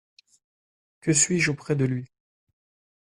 Que suis-je auprès de Lui.